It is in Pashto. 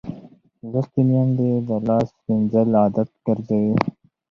لوستې میندې د لاس مینځل عادت ګرځوي.